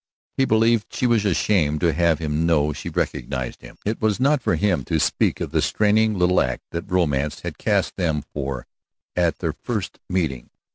He believed she was ashamed to have him know she recognized him. It was not for him to speak of the straining little act that romance had cast them for at their first meeting.